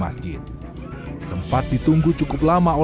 nah setelah itu balik lagi